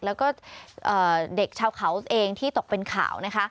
และเด็กชาวเขาเองที่ตกเป็นข่าว